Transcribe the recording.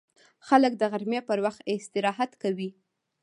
خلک د غرمې پر وخت استراحت کوي